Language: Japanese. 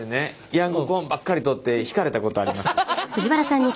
ヤングコーンばっかり取って引かれたことあります。